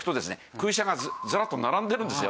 空車がズラッと並んでるんですよ。